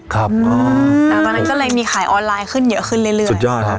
ครับอ๋ออ๋อตอนนั้นก็เลยมีขายออนไลน์ขึ้นเยอะขึ้นเรื่อยเรื่อยสุดยอดครับ